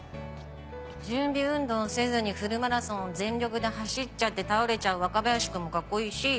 準備運動せずにフルマラソン全力で走っちゃって倒れちゃう若林君もカッコいいし。